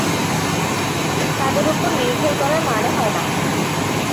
তাদের ওপর নির্ভর করার মানে হয় না।